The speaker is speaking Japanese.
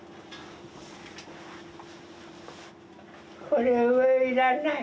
これ上いらない。